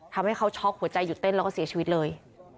ทำให้เขาช็อกหัวใจหยุดเต้นแล้วก็เสียชีวิตเลย